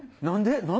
何で？